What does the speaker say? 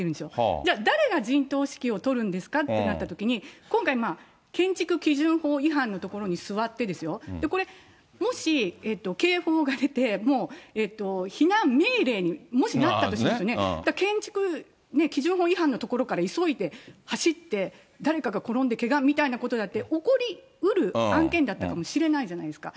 じゃあ、誰が陣頭指揮を取るんですかってなったときに、今回、建築基準法違反の所に座ってですよ、これ、もし警報が出て、もう避難命令にもしなったとしますよね、建築基準法違反の所から急いで、走って誰かが転んでけがみたいなことだって起こりうる案件だったかもしれないじゃないですか。